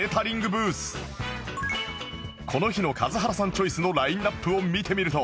この日の數原さんチョイスのラインアップを見てみると